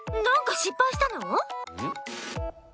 なんか失敗したの？